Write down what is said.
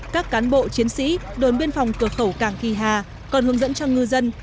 các cán bộ chiến sĩ đồn biên phòng cửa khẩu cảng kỳ hà còn hướng dẫn cho ngư dân